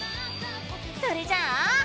それじゃあ！